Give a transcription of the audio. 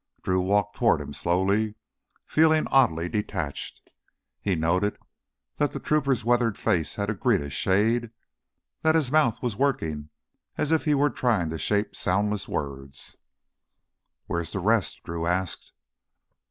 Drew walked toward him slowly, feeling oddly detached. He noted that the trooper's weathered face had a greenish shade, that his mouth was working as if he were trying to shape soundless words. "Where're the rest?" Drew asked.